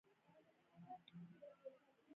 استعمار تګ مرسته ونه کړه